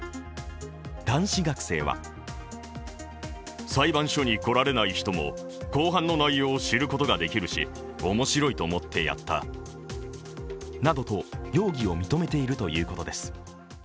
男子学生はなどと容疑を認めているということです。